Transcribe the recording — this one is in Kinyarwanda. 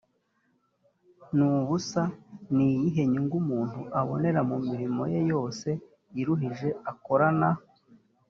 ni ubusa ni iyihe nyungu umuntu abonera mu mirimo ye yose iruhije akoranae